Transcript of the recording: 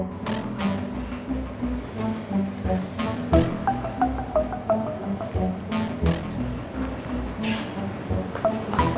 kita sama sama kalau gitu